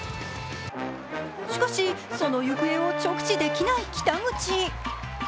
しかし、その行方を直視できない北口。